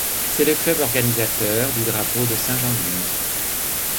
C'est le club organisateur du Drapeau de Saint-Jean-de-Luz.